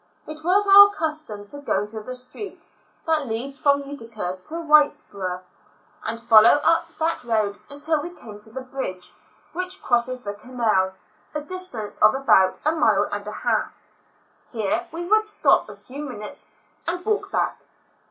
It was our custom to go into the street that leads from Utica to Whitesborough, and follow up that road until we came to the bridge which crosses the canal, a distance of about a mile and a half ; here we would stop a few minutes and walk back.